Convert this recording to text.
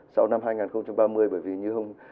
sau năm hai nghìn ba mươi bởi vì như hôm